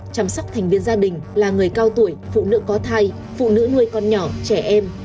chăm sóc thành viên gia đình là người cao tuổi phụ nữ có thai phụ nữ nuôi con nhỏ trẻ em